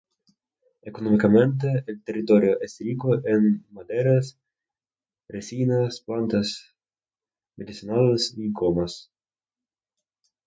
Económicamente, el territorio es rico en maderas, resinas, plantas medicinales y gomas.